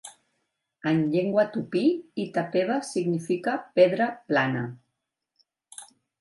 En llengua tupí, "Itapeva" significa "pedra plana".